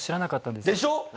でしょ？